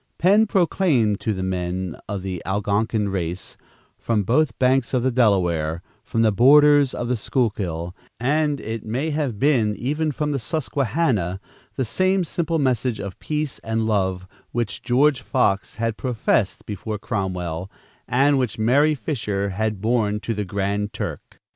Penn proclaimed to the men of the Algonkin race, from both banks of the Delaware, from the borders of the Schuylkill, and, it may have been, even from the Susquehannah, the same simple message of peace and love which George Fox had professed before Cromwell, and which Mary Fisher had borne to the Grand Turk.